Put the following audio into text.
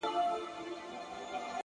دا چي د سونډو د خـندا لـه دره ولـويــږي ـ